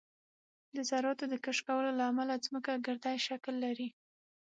د ذراتو د کشکولو له امله ځمکه ګردی شکل لري